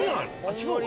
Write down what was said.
違う？